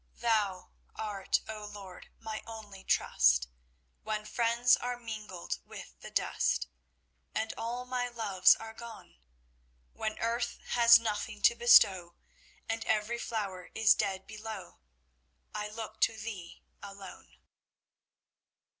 "Thou art, O Lord, my only trust, When friends are mingled with the dust, And all my loves are gone. When earth has nothing to bestow, And every flower is dead below, I look to Thee alone."